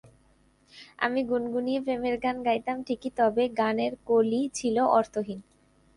আমি গুনগুনিয়ে প্রেমের গান গাইতাম ঠিকই, তবে গানের কলি ছিল অর্থহীন।